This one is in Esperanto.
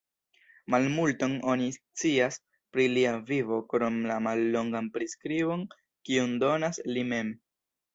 Malmulton oni scias pri lia vivo krom la mallongan priskribon kiun donas li mem.